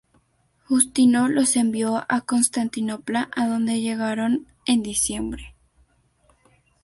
Justino los envió a Constantinopla adonde llegaron en diciembre.